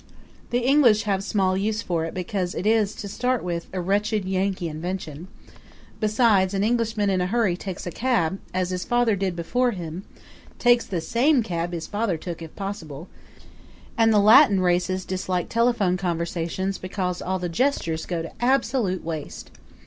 The English have small use for it because it is, to start with, a wretched Yankee invention; besides, an Englishman in a hurry takes a cab, as his father before him did takes the same cab his father took, if possible and the Latin races dislike telephone conversations because the gestures all go to absolute waste.